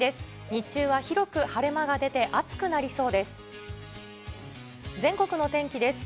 日中は広く晴れ間が出て、暑くなりそうです。